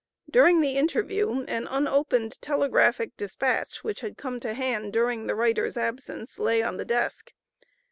During the interview an unopened telegraphic despatch which had come to hand during the writer's absence, lay on the desk.